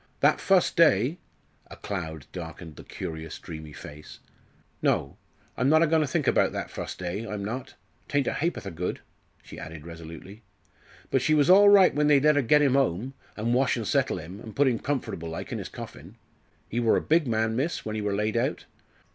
That fust day" a cloud darkened the curious, dreamy face "no, I'm not a goin' to think about that fust day, I'm not, 'tain't a ha'porth o' good," she added resolutely; "but she was all right when they'd let her get 'im 'ome, and wash an' settle 'im, an' put 'im comfortable like in his coffin. He wor a big man, miss, when he wor laid out!